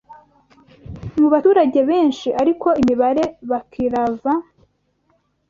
mu baturage benshi ariko imibare baklava